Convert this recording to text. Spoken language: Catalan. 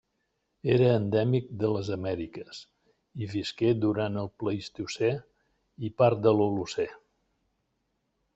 Era endèmic de les Amèriques i visqué durant el Plistocè i part de l'Holocè.